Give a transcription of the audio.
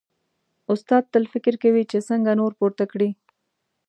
استاد تل فکر کوي چې څنګه نور پورته کړي.